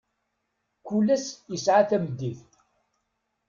Kul ass isɛa tameddit.